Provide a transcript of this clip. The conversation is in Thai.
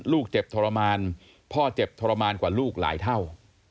ลูกเจ็บทรมานพ่อเจ็บทรมานกว่าลูกหลายเท่า